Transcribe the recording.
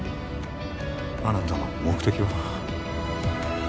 あなたの目的は？